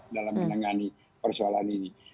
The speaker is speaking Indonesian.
dalam menangani persoalan ini